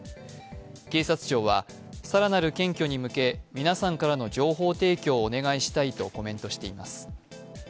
警察庁は、更なる検挙に向け皆さんからの情報提供をお願いしたいとコメントしています。